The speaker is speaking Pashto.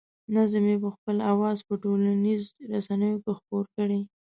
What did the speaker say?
نظم یې په خپل اواز په ټولنیزو رسنیو کې خپور کړی.